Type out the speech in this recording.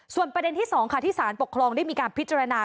ส่วนประเด็นที่๒ค่ะที่สารปกครองได้มีการพิจารณา